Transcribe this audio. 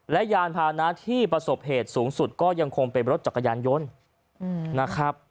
และยานพานะที่ประสบเหตุสูงสุดก็ยังคงเป็นรถจักรยานยนต์นะครับ